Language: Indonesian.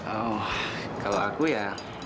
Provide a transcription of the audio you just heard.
oh kalau aku ya